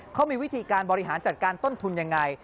เขามีวิธีการบริหารจัดการต้นทุนยังไง